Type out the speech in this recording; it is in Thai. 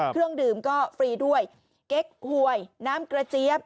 เครื่องดื่มก็ฟรีด้วยเก๊กหวยน้ำกระเจี๊ยบ